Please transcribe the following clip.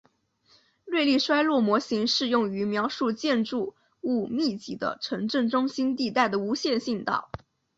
瑞利衰落模型适用于描述建筑物密集的城镇中心地带的无线信道。